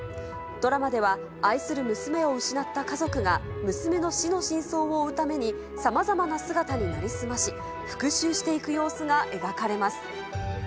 ドラマでは、愛する娘を失った家族が、娘の死の真相を追うために、さまざまな姿に成り済まし、復しゅうしていく様子が描かれます。